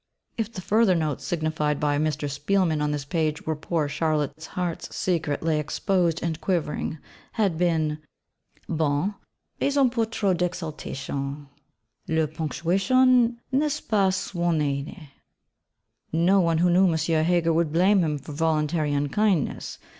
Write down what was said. If the further notes signified by Mr. Spielmann on this page, where poor Charlotte's heart's Secret lay exposed and quivering, had been 'Bon mais un peu trop d'exaltation la Ponctuation n'est pas soignée,' no one who knew M. Heger would blame him for voluntary unkindness.